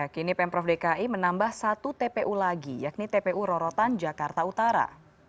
kini pemprov dki menambah satu tpu lagi yakni tpu rorotan jakarta utara